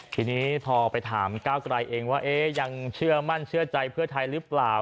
ทีนี้พอไปถามก้าวกลายเองว่ายังเชื่อมั่นเชื่อใจเพื่อไทยหรือเปล่า